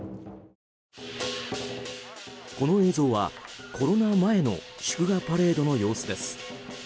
この映像は、コロナ前の祝賀パレードの様子です。